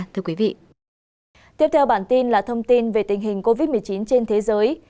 tiếp theo bản tin là thông tin về tình hình covid một mươi chín trên thế giới